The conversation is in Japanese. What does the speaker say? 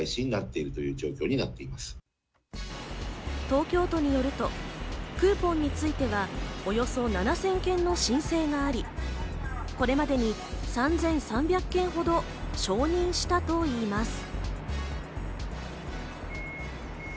東京都によると、クーポンについてはおよそ７０００件の申請があり、これまでに３３００件ほど承認したといいます。